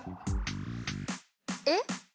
えっ？